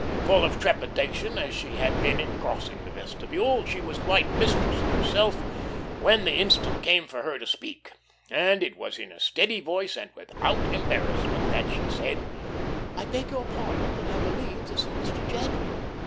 Full of trepidation as she had been in crossing the vestibule, she was quite mistress of herself when the instant came for her to speak, and it was in a steady voice and without embarrassment that she said: "I beg your pardon, but I believe this is Mr. Jadwin."